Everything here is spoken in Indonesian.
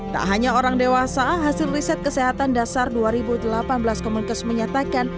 tak hanya orang dewasa hasil riset kesehatan dasar dua ribu delapan belas kemenkes menyatakan